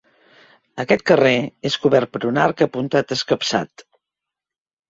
Aquest carrer és cobert per un arc apuntat escapçat.